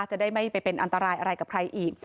จะได้ไม่ไปเป็นอันตรายอะไรกับใครอีก